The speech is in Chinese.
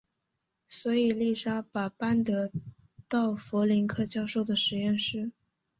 所以丽莎把班德到弗林克教授的实验室。